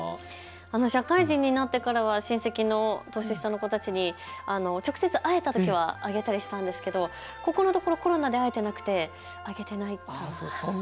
社会人になってからは親戚の年下の子たちに直接会えたときはあげたりしたんですけどここのところコロナで会えてなくて、あげてないかな。